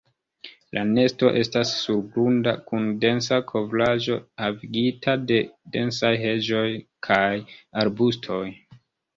La nesto estas surgrunda, kun densa kovraĵo havigita de densaj heĝoj kaj arbustoj.